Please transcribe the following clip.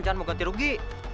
jangan mau ganti rugi